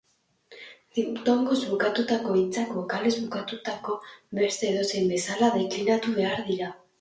Diptongoz bukatutako hitzak bokalez bukatutako beste edozein bezala deklinatu behar dira.